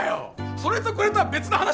それとこれとは別の話！